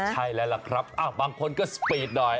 ใช่แล้วล่ะครับบางคนก็สปีดหน่อย